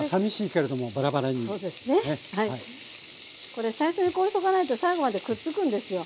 これ最初にこうしとかないと最後までくっつくんですよ。